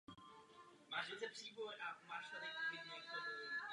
V následující tabulce jsou vypsány nejběžnější kyseliny a od nich odvozené báze solí.